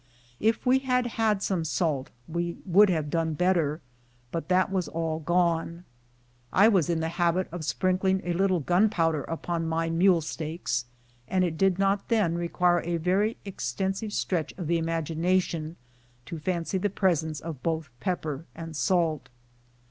If we had had some salt we would have done better, but that was all gone. I was in the habit of sprinkling a little gunpowder upon my mule steaks, and it did not then require a very extensive stretch of the imagination to fancy the presence of both pepper and salt.